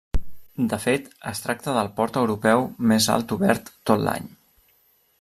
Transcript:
De fet, es tracta del port europeu més alt obert tot l'any.